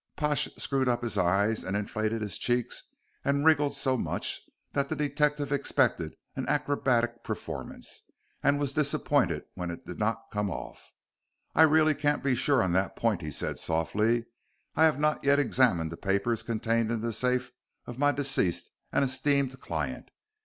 Pash screwed up his eyes and inflated his cheeks, and wriggled so much that the detective expected an acrobatic performance, and was disappointed when it did not come off. "I really can't be sure on that point," he said softly. "I have not yet examined the papers contained in the safe of my deceased and esteemed client.